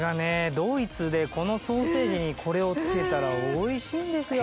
ドイツでこのソーセージにこれをつけたらおいしいんですよ。